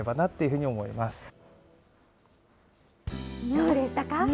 どうでしたか？